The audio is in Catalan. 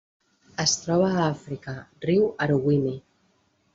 Es troba a Àfrica: riu Aruwimi.